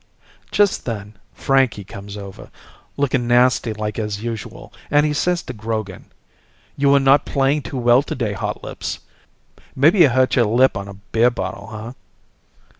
Just then Frankie comes over, looking nasty like as usual, and he says to Grogan, "You are not playing too well today, Hotlips. Maybe you hurt your lip on a beer bottle, huh?"